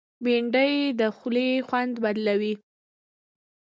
بېنډۍ د خولو خوند بدلوي